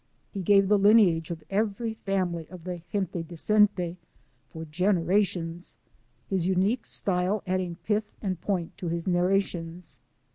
He gave the lineage of every family of the " jentf decente" for generations, bis unique style adding pith and point to his narrations.